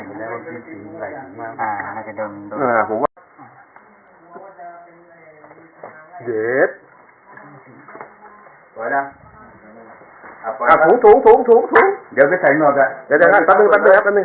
แย่ผมอยู่ข้างหลังนึง